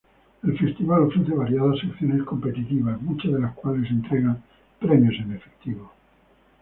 El festival ofrece variadas secciones competitivas, muchas de las cuales entregan premios en efectivo.